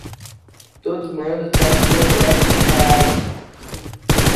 Todo mundo tem sua própria casa.